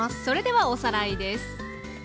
それではおさらいです。